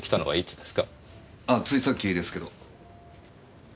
ついさっきですけど。